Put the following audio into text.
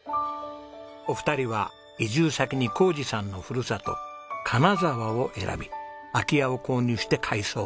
お二人は移住先に宏二さんのふるさと金沢を選び空き家を購入して改装。